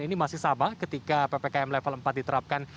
ini masih sama ketika ppkm level empat diterapkan